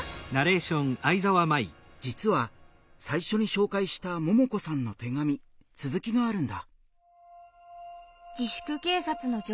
じつは最初に紹介したももこさんの手紙続きがあるんだ。